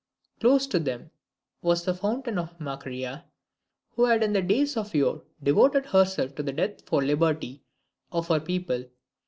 Close to them was the fountain of Macaria, who had in days of yore devoted herself to death for the liberty of her people.